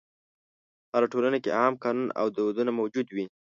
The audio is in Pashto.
هره ټولنه کې عام قانون او دودونه موجود وي.